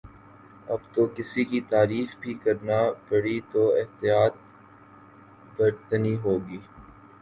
اب تو کسی کی تعریف بھی کرنا پڑی تو احتیاط برتنی ہو گی